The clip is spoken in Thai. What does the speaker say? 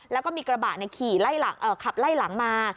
แล้วก็มีกระบะขับไล่หลังมา